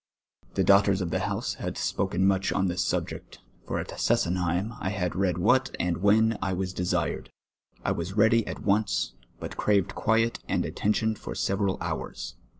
The daughters of the house had spoken much on this subject, for at Sesenheim I had read what and when I was desired. I was ready at once, but craved quiet and attention for several hours.